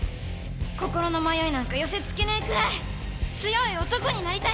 心の迷いなんか寄せ付けねえくらい強い男になりたいんです！